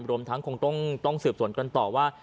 รวมทั้งคงต้องสืบสวนกันต่อว่า